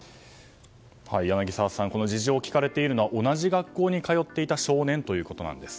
柳澤さん事情を聴かれているのは同じ学校に通っていた少年ということなんです。